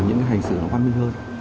những cái hành xử nó quan minh hơn